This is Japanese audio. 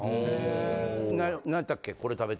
なんやったっけ。